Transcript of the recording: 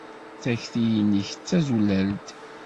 Takti-nnek d tazulalt.